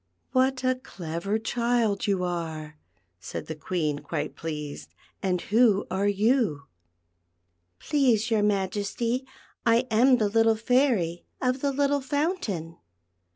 '•What a clever child you are," said the Queen, quite pleased ;" and who are you .^" "Please your Majesty, I am the little Fairy of the little Fountain."